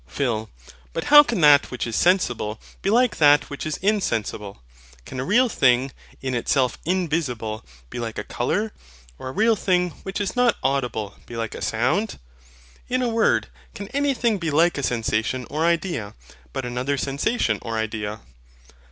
PHIL. But how can that which is sensible be like that which is insensible? Can a real thing, in itself INVISIBLE, be like a COLOUR; or a real thing, which is not AUDIBLE, be like a SOUND? In a word, can anything be like a sensation or idea, but another sensation or idea?